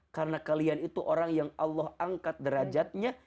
karena kalian itu orang yang allah angkat derajatnya